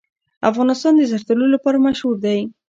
افغانستان د زردالو لپاره مشهور دی.